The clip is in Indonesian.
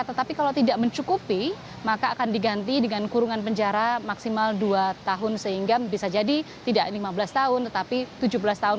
tetapi kalau tidak mencukupi maka akan diganti dengan kurungan penjara maksimal dua tahun sehingga bisa jadi tidak lima belas tahun tetapi tujuh belas tahun